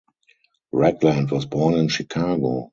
Ragland was born in Chicago.